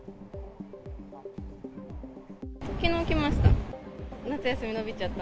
きのう来ました。